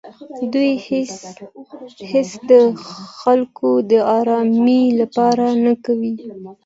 دوی هېڅې د خلکو د ارامۍ لپاره نه کوي.